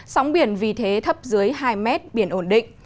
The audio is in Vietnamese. sóng biển vì thế thấp dưới hai mét biển ổn định